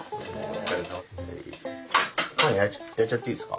パン焼いちゃっていいですか。